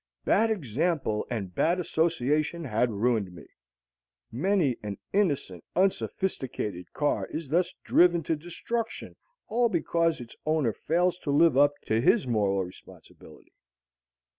Bad example and bad association had ruined me. Many an innocent, unsophisticated car is thus driven to destruction all because its owner fails to live up to his moral responsibility.